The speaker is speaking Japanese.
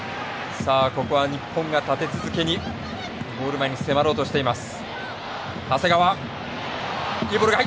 ここは日本が立て続けにゴール前に迫ろうとしています。